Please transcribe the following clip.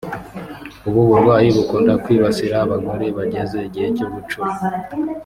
ubu burwayi bukunda kwibasira abagore bageze igihe cyo gucura